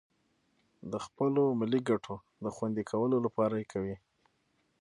د خپلو ملي گټو د خوندي کولو لپاره کوي